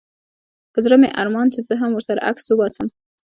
په زړه مي ارمان چي زه هم ورسره عکس وباسم